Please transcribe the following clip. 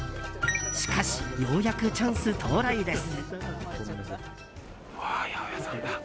しかしようやくチャンス到来です。